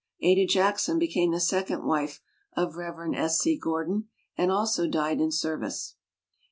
Ada Jackson became the second wife of Rev. S. C. Gordon and also died in service.